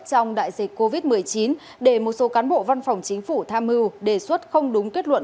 trong đại dịch covid một mươi chín để một số cán bộ văn phòng chính phủ tham mưu đề xuất không đúng kết luận